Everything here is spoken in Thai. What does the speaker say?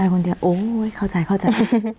ไปคนเดียวโอ๊ยเข้าใจ